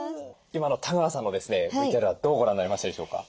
今の多川さんのですねＶＴＲはどうご覧になりましたでしょうか？